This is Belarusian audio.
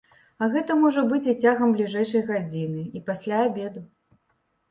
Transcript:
А гэта можа быць і цягам бліжэйшай гадзіны, і пасля абеду.